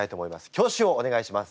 挙手をお願いします。